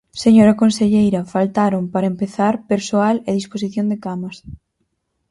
Señora conselleira, faltaron, para empezar, persoal e disposición de camas.